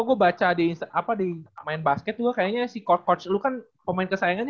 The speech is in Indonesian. gue baca di natalie braille main basket tuh kayaknya si lo kan pemain kesayangannya